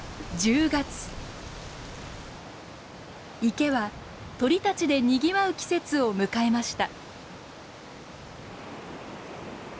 池は鳥たちでにぎわう季節を迎えました。